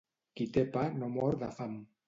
Qui té pa no mor de fam.